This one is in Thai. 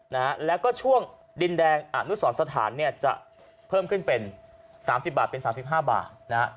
นะฮะแล้วก็ช่วงดินแดงอนุสรสถานเนี่ยจะเพิ่มขึ้นเป็นสามสิบบาทเป็นสามสิบห้าบาทนะฮะ